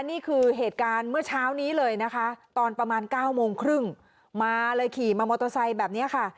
นี่คือเหตุการณ์เมื่อเช้านี้เลยนะคะตอนประมาณ๙โมงครึ่งมาเลยขี่มามอเตอร์ไซค์แบบนี้ค่ะ